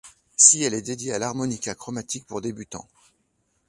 Si elle est dédiée à l'harmonica chromatique pour débutant.